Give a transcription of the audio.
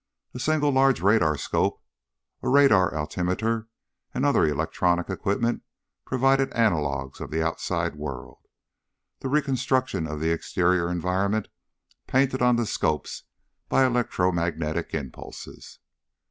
A single large radarscope, a radar altimeter and other electronic equipment provided analogs of the outside world; the reconstruction of the exterior environment painted on the scopes by electromagnetic impulses.